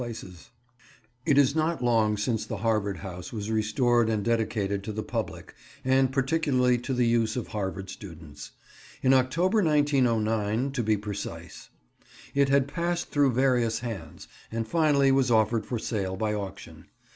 [Picture: The Harvard House] It is not long since the Harvard House was restored and dedicated to the public, and particularly to the use of Harvard students; in October 1909, to be precise. It had passed through various hands, and finally was offered for sale by auction.